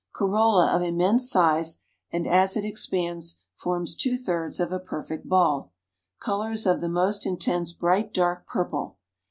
Corolla of immense size, and as it expands forms two thirds of a perfect ball. Color is of the most intense bright dark purple.